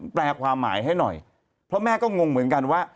แปลความหมายให้หน่อยเพราะแม่ก็งงเหมือนกันว่า